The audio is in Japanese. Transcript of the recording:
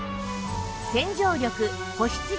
洗浄力保湿力